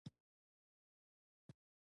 چې د دوی ټولو نوبت تېر شو.